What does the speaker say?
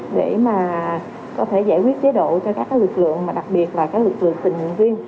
để mà có thể giải quyết chế độ cho các lực lượng mà đặc biệt là các lực lượng tình nguyện viên